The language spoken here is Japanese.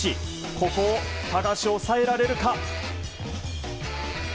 ここを高橋、抑えられるか。